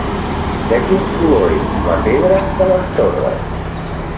De quin color és la pedra de les torres?